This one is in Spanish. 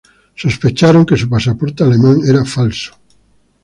Sospecharon que su pasaporte alemán era falso.